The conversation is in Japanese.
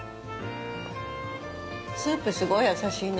スープ、すごい優しいね。